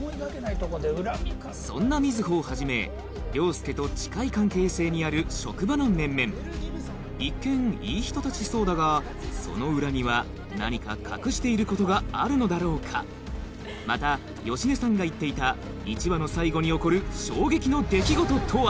そんな瑞穂をはじめ凌介と近い関係性にある職場の面々一見いい人たちそうだがその裏には何か隠していることがあるのだろうかまた芳根さんが言っていた１話の最後に起こる衝撃の出来事とは？